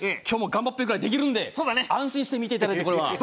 今日も頑張っぺぐらいできるんで安心して見ていただいてこれは。